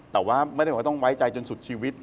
แต่ว่าไม่ได้บอกว่าต้องไว้ใจจนสุดชีวิต